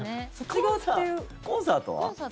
コンサートは？